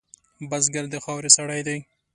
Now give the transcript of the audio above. بزګر د خاورې سړی دی